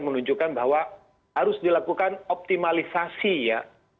menunjukkan bahwa harus dilakukan optimalisasi ya